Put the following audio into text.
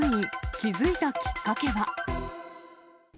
気付いたきっかけは？